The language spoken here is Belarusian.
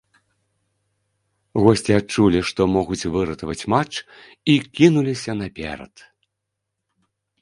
Госці адчулі, што могуць выратаваць матч і кінуліся наперад.